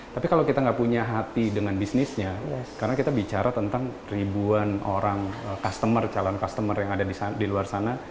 tapi kalau kita nggak punya hati dengan bisnisnya karena kita bicara tentang ribuan orang customer calon customer yang ada di luar sana